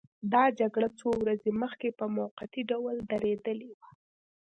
دا جګړه څو ورځې مخکې په موقتي ډول درېدلې وه.